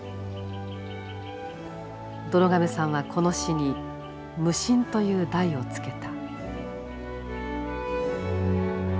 どろ亀さんはこの詩に「無心」という題を付けた。